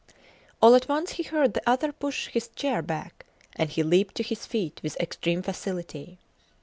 All at once he heard the other push his chair back; and he leaped to his feet with extreme facility.